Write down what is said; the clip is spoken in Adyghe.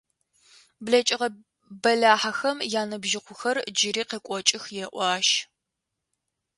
Блэкӏыгъэ бэлахьэхэм яныбжьыкъухэр джыри къекӏокӏых еӏо ащ.